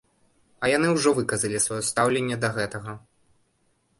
А яны ўжо выказалі сваё стаўленне да гэтага.